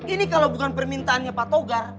ini kalau bukan permintaannya pak togar